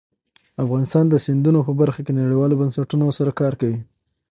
افغانستان د سیندونه په برخه کې نړیوالو بنسټونو سره کار کوي.